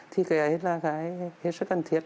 thì đấy là cái hết sức cần thiết